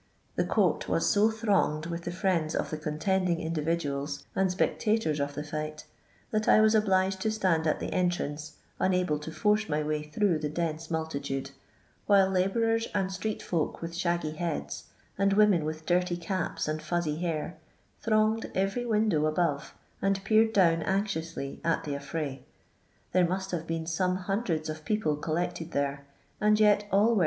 The court was so thronged with the friendii qf the contending individuals and spectators of the fight that I was obliged to stand at tiie entrance, unable to force my way through the dense multitude, while labourers aud street folk with shagxy heads, and womrn with dirty caps, and fuzzy hair, thronged every window above, and peered down anxiously at the affray. There must have been some hundreds of people collected there, and yet. all were